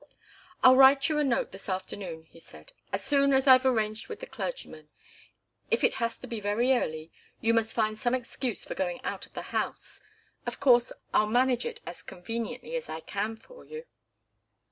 "I'll write you a note this afternoon," he said, "as soon as I've arranged with the clergyman. If it has to be very early, you must find some excuse for going out of the house. Of course, I'll manage it as conveniently as I can for you."